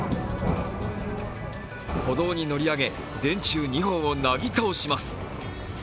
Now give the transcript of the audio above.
歩道に乗り上げ電柱２本をなぎ倒します。